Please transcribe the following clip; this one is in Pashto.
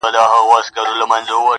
د هغه په فیصله دي کار سمېږي،